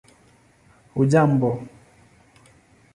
hujambo